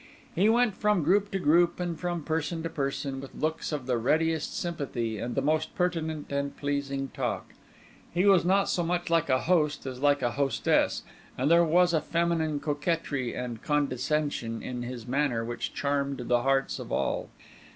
He went from group to group and from person to person with looks of the readiest sympathy and the most pertinent and pleasing talk; he was not so much like a host as like a hostess, and there was a feminine coquetry and condescension in his manner which charmed the hearts of all.